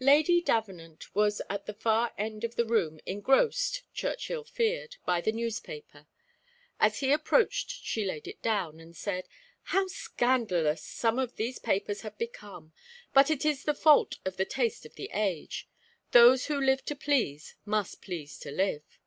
Lady Davenant was at the far end of the room engrossed, Churchill feared, by the newspaper; as he approached she laid it down, and said, "How scandalous some of these papers have become, but it is the fault of the taste of the age. 'Those who live to please, must please to live.